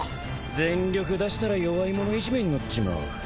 全力出したら弱い者いじめになっちまう。